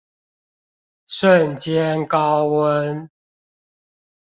瞬間高溫